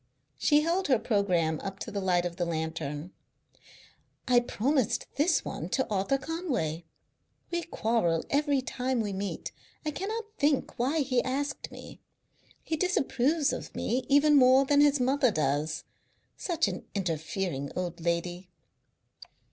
She held her programme up to the light of the lantern. "I promised this one to Arthur Conway. We quarrel every time we meet. I cannot think why he asked me; he disapproves of me even more than his mother does such an interfering old lady.